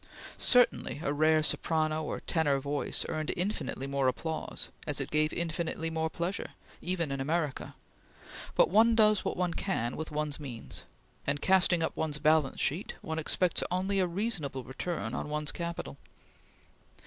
Certainly a rare soprano or tenor voice earned infinitely more applause as it gave infinitely more pleasure, even in America; but one does what one can with one's means, and casting up one's balance sheet, one expects only a reasonable return on one's capital.